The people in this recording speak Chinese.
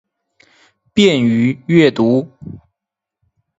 便于阅读